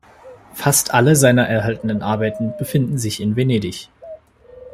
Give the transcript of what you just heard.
Fast alle seiner erhaltenen Arbeiten befinden sich in Venedig.